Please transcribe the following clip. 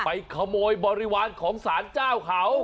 ไปขโมยบริวารของสารเจ้าเขา